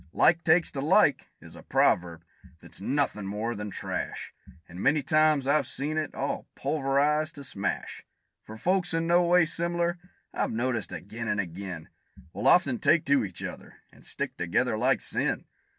"Like takes to like," is a proverb that's nothin' more than trash; And many a time I've seen it all pulverized to smash. For folks in no way sim'lar, I've noticed ag'in and ag'in, Will often take to each other, and stick together like sin.